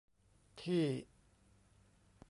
ที่